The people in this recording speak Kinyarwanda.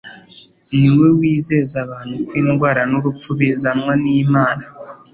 ni we wizeza abantu ko indwara n'urupfu bizanwa n'Imana;